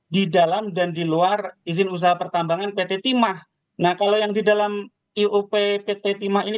di dalam dan di luar izin usaha pertambangan pt timah nah kalau yang di dalam iup pt timah ini